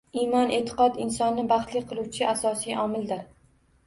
Imon-e’tiqod insonni baxtli qiluvchi asosiy omildir.